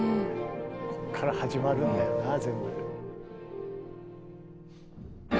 こっから始まるんだよな全部。